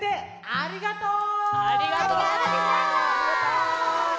ありがとう！